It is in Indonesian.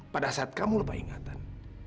pada saat kamu lebah ingatan